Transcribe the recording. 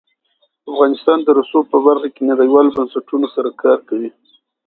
افغانستان د رسوب په برخه کې نړیوالو بنسټونو سره کار کوي.